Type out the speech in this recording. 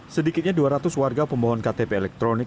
sedikitnya dua ratus warga pemohon ktp elektronik